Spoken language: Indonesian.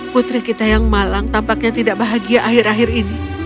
putri kita yang malang tampaknya tidak bahagia akhir akhir ini